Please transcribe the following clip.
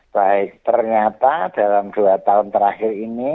baik ternyata dalam dua tahun terakhir ini